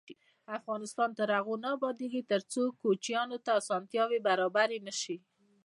افغانستان تر هغو نه ابادیږي، ترڅو کوچیانو ته اسانتیاوې برابرې نشي.